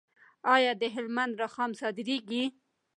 آیا د هلمند رخام صادریږي؟